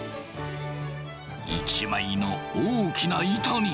一枚の大きな板に。